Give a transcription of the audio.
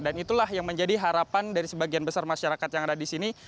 dan itulah yang menjadi harapan dari sebagian besar masyarakat yang ada di sini